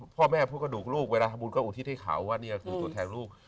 พ่อแม่ผู้กระดูกลูกเวลาทำบุญก็อุทิศให้เขาว่านี่ก็คือตัวแทนลูก